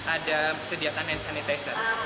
ada persediaan hand sanitizer